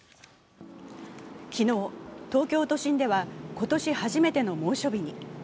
昨日、東京都心では今年初めての猛暑日に。